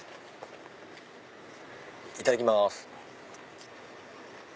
いただきます。